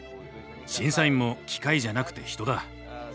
審査員も機械じゃなくて人だ。